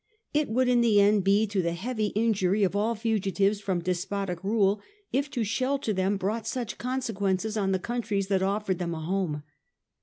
It would in the end be to the heavy injury of all fugitives from despotic rule if to shelter them brought such consequences on the countries that offered them a home.